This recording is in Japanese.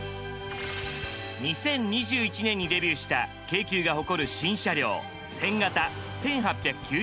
２０２１年にデビューした京急が誇る新車両１０００形１８９０番台。